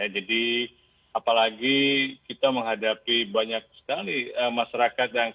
jadi apalagi kita menghadapi banyak sekali masyarakat yang akan menggunakan alat cuci tangan